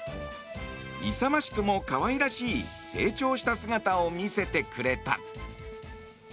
勇ましくも可愛らしい成長した姿を見せてくれた。